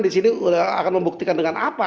di sini akan membuktikan dengan apa